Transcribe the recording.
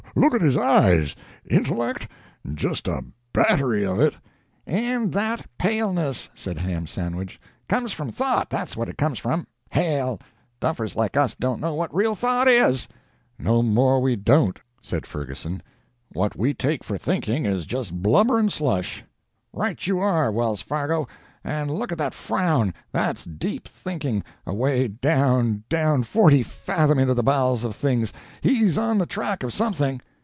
look at his eyes! Intellect? Just a battery of it!" "And that paleness," said Ham Sandwich. "Comes from thought that's what it comes from. Hell! duffers like us don't know what real thought is." "No more we don't," said Ferguson. "What we take for thinking is just blubber and slush." "Right you are, Wells Fargo. And look at that frown that's deep thinking away down, down, forty fathom into the bowels of things. He's on the track of something."